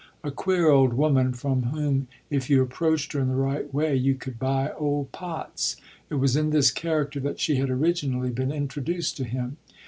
A queer old woman from whom, if you approached her in the right way, you could buy old pots it was in this character that she had originally been introduced to him.